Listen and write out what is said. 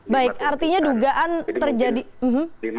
baik artinya dugaan terjadi